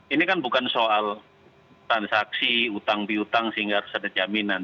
ini kan bukan soal transaksi utang biutang sehingga harus ada jaminan